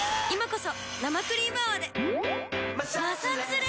今こそ生クリーム泡で。